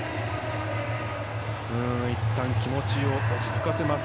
いったん気持ちを落ち着かせます。